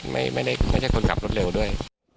ไม่ได้ไม่ได้คนขับรถเร็วด้วย